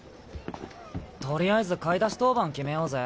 取りあえず買い出し当番決めようぜ。